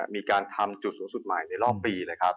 มีการทำจุดสูงสุดใหม่ได้ออกปี